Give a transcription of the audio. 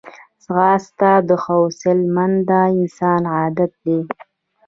ځغاسته د حوصلهمند انسان عادت دی